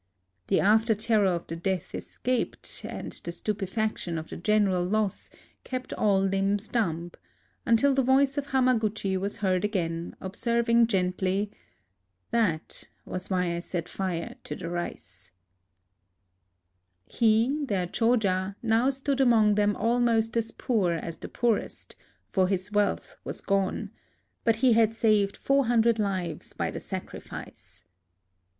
The after terror of the death escaped and the stupefaction of the general loss kept all lips dumb, until the voice of Hamaguchi was heard again, observing gently,— " That was why I set fire to the rice,^* He, their Choja, now stood among them almost as poor as the poorest ; for his wealth was gone — but he had saved four hundred lives by the sacrifice.